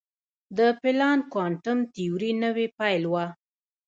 د پلانک کوانټم تیوري نوې پیل وه.